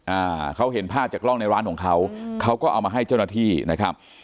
อ่าเขาเห็นภาพจากกล้องในร้านของเขาเขาก็เอามาให้เจ้าหน้าที่นะครับ